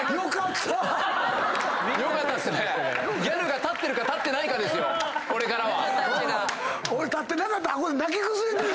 ギャルが立ってるか立ってないかですよこれからは。